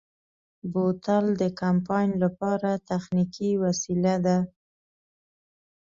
بوتل د کمپاین لپاره تخنیکي وسیله ده.